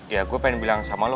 ya gue pengen bilang sama lo